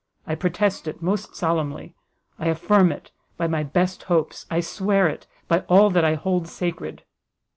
I protest it most solemnly! I affirm it by my best hopes! I swear it by all that I hold sacred!"